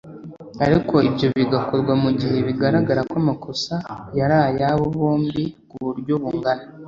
ariko ibyo bigakorwa mu gihe bigaragara ko amakosa yari ayabo bombi ku buryo bungana